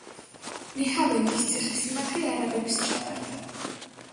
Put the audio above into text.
ნეჰავენდის ციხესიმაგრე არაბებს ჩაბარდა.